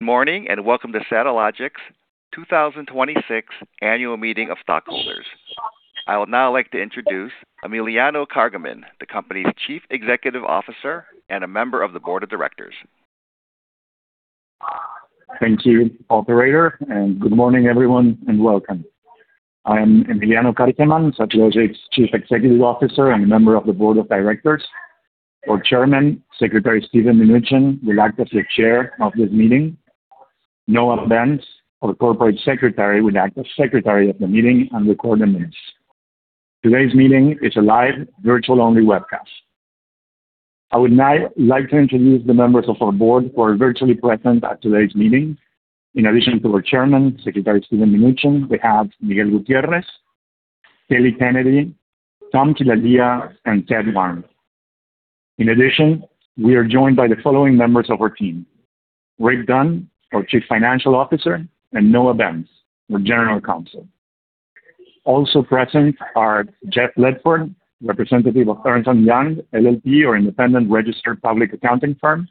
Good morning, and welcome to Satellogic's 2026 annual meeting of stockholders. I would now like to introduce Emiliano Kargieman, the company's Chief Executive Officer and a member of the Board of Directors. Thank you, operator, good morning, everyone, and welcome. I am Emiliano Kargieman, Satellogic's Chief Executive Officer and a member of the board of directors. Our Chairman, Secretary Steven Mnuchin, will act as the chair of this meeting. Noah Ben-Ezra, our Corporate Secretary, will act as secretary of the meeting and record the minutes. Today's meeting is a live, virtual-only webcast. I would now like to introduce the members of our board who are virtually present at today's meeting. In addition to our Chairman, Secretary Steven Mnuchin, we have Miguel Gutiérrez, Kelly Kennedy, Tom Killalea, and Ted Wang. In addition, we are joined by the following members of our team: Rick Dunn, our Chief Financial Officer, and Noah Ben-Ezra, our General Counsel. Also present are Jeff Ledford, representative of Ernst & Young LLP, our independent registered public accounting firm,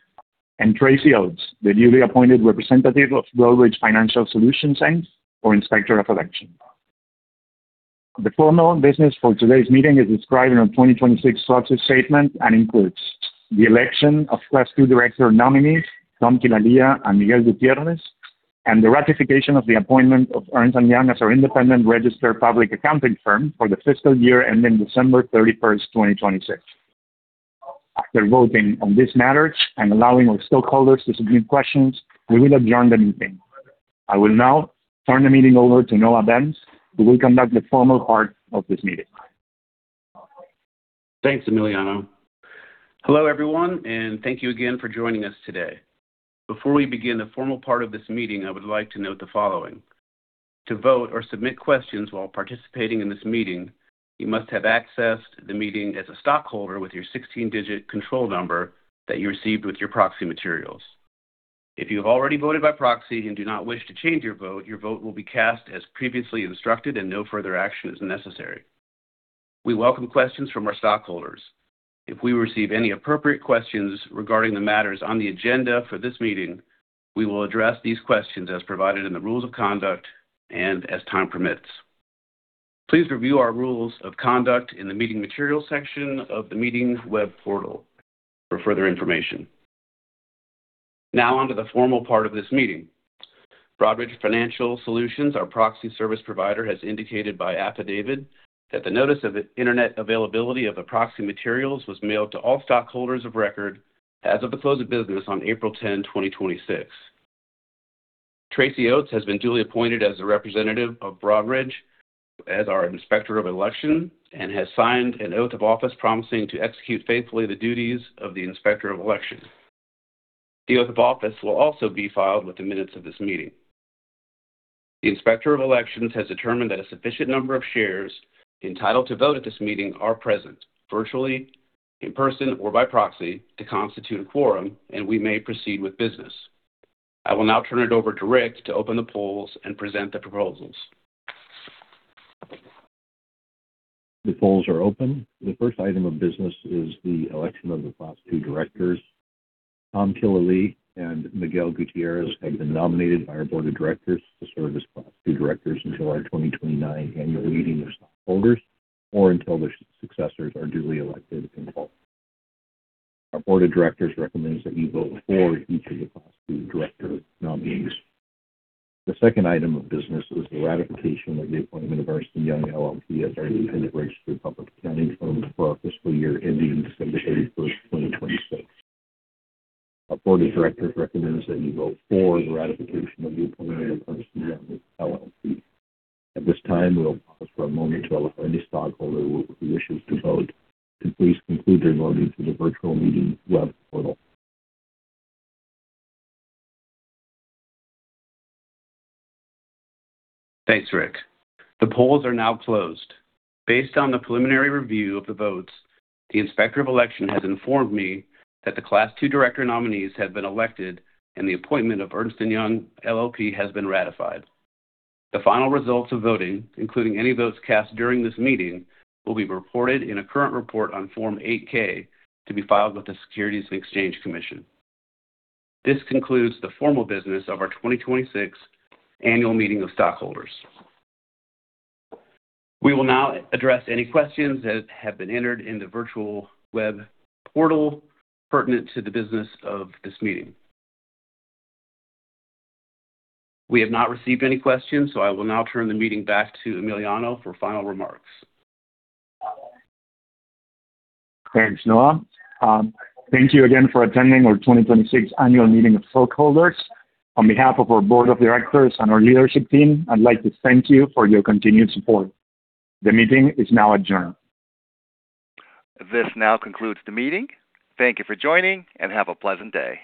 and Tracy Oates, the duly appointed representative of Broadridge Financial Solutions Inc., our Inspector of Election. The formal business for today's meeting is described in our 2026 proxy statement and includes the election of Class II director nominees, Tom Killalea and Miguel Gutiérrez, and the ratification of the appointment of Ernst & Young as our independent registered public accounting firm for the fiscal year ending December 31st, 2026. After voting on this matter and allowing our stockholders to submit questions, we will adjourn the meeting. I will now turn the meeting over to Noah Ben-Ezra, who will conduct the formal part of this meeting. Thanks, Emiliano. Hello, everyone, and thank you again for joining us today. Before we begin the formal part of this meeting, I would like to note the following. To vote or submit questions while participating in this meeting, you must have accessed the meeting as a stockholder with your 16-digit control number that you received with your proxy materials. If you have already voted by proxy and do not wish to change your vote, your vote will be cast as previously instructed and no further action is necessary. We welcome questions from our stockholders. If we receive any appropriate questions regarding the matters on the agenda for this meeting, we will address these questions as provided in the rules of conduct and as time permits. Please review our rules of conduct in the meeting materials section of the meeting's web portal for further information. Now, onto the formal part of this meeting. Broadridge Financial Solutions, our proxy service provider, has indicated by affidavit that the notice of the internet availability of the proxy materials was mailed to all stockholders of record as of the close of business on April 10, 2026. Tracy Oates has been duly appointed as a representative of Broadridge as our Inspector of Election and has signed an oath of office promising to execute faithfully the duties of the Inspector of Election. The oath of office will also be filed with the minutes of this meeting. The Inspector of Election has determined that a sufficient number of shares entitled to vote at this meeting are present, virtually, in person, or by proxy to constitute a quorum, we may proceed with business. I will now turn it over to Rick to open the polls and present the proposals. The polls are open. The first item of business is the election of the Class II directors. Tom Killalea and Miguel Gutiérrez have been nominated by our board of directors to serve as Class II directors until our 2029 annual meeting of stockholders or until their successors are duly elected in full. Our board of directors recommends that you vote for each of the Class II director nominees. The second item of business is the ratification of the appointment of Ernst & Young LLP as our independent registered public accounting firm for our fiscal year ending December 31st, 2026. Our board of directors recommends that you vote for the ratification of the appointment of Ernst & Young LLP. At this time, we will pause for a moment to allow for any stockholder who wishes to vote to please complete their voting through the virtual meeting web portal. Thanks, Rick. The polls are now closed. Based on the preliminary review of the votes, the Inspector of Election has informed me that the Class II director nominees have been elected and the appointment of Ernst & Young LLP has been ratified. The final results of voting, including any votes cast during this meeting, will be reported in a current report on Form 8-K to be filed with the Securities and Exchange Commission. This concludes the formal business of our 2026 annual meeting of stockholders. We will now address any questions that have been entered in the virtual web portal pertinent to the business of this meeting. We have not received any questions. I will now turn the meeting back to Emiliano for final remarks. Thanks, Noah. Thank you again for attending our 2026 annual meeting of stockholders. On behalf of our board of directors and our leadership team, I'd like to thank you for your continued support. The meeting is now adjourned. This now concludes the meeting. Thank you for joining. Have a pleasant day.